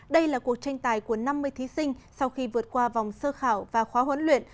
đây là cuộc tranh tài của năm mươi thí sinh sau khi vượt qua vòng sơ khảo và khóa huấn luyện